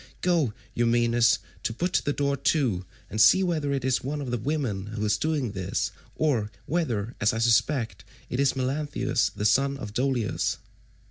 Go, Eumaeus, put the door to, and see whether it is one of the women who is doing this, or whether, as I suspect, it is Melanthius the son of Dolius."